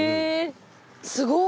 すごい。